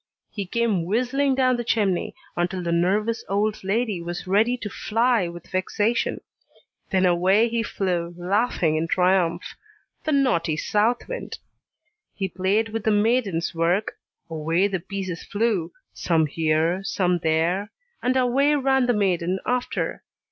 He came whistling down the chimney, until the nervous old lady was ready to fly with vexation: then away he flew, laughing in triumph, the naughty south wind! He played with the maiden's work: away the pieces flew, some here, some there, and away ran the maiden after.